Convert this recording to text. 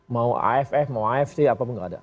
mau aff mau afc apapun nggak ada